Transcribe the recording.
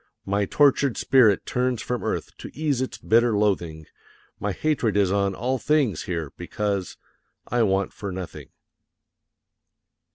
My tortured spirit turns from earth, to ease its bitter loathing; My hatred is on all things here, because I want for nothing.